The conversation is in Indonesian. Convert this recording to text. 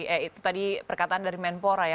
ya itu tadi perkataan dari menpora ya